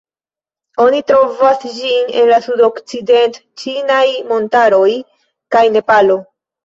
Oni trovas ĝin en la Sudokcident-ĉinaj Montaroj kaj Nepalo.